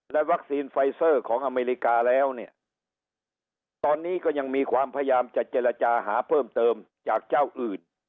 วัคซีนไฟเซอร์ของอเมริกาแล้วเนี่ยตอนนี้ก็ยังมีความพยายามจะเจรจาหาเพิ่มเติมจากเจ้าอื่น